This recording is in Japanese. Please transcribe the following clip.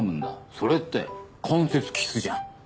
それって間接キスじゃん。